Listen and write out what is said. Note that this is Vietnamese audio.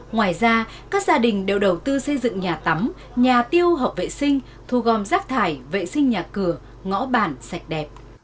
ngoài ra các gia đình đều đầu tư xây dựng nhà tắm nhà tiêu hợp vệ sinh thu gom rác thải vệ sinh nhà cửa ngõ bản sạch đẹp